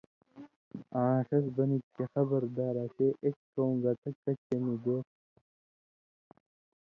آں ݜس بنِگ چے (خبردار) اسے اېک کؤں گتہ کچھے نی بے تُھو۔